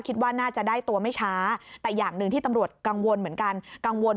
คิดว่าน่าจะได้ตัวไม่ช้าแต่อย่างหนึ่งที่ตำรวจกังวลเหมือนกันกังวล